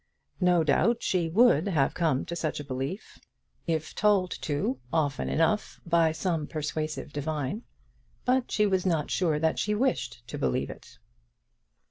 No doubt she would come to have such belief if told so often enough by some persuasive divine; but she was not sure that she wished to believe it.